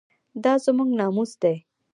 دا زموږ ناموس دی